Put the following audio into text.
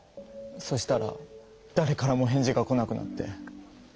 そしたらだれからも返事が来なくなって。